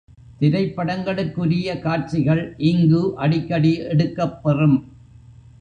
திரைப்படங்களுக்குரிய காட்சிகள் இங்கு அடிக்கடி எடுக்கப்பெறும்.